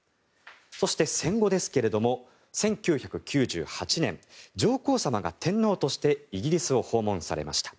そして、戦後ですけども１９９８年上皇さまが天皇としてイギリスを訪問されました。